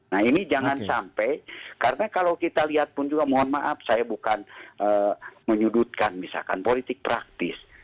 nah ini jangan sampai karena kalau kita lihat pun juga mohon maaf saya bukan menyudutkan misalkan politik praktis